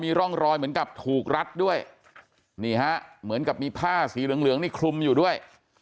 ร่องรอยเหมือนกับถูกรัดด้วยนี่ฮะเหมือนกับมีผ้าสีเหลืองเหลืองนี่คลุมอยู่ด้วย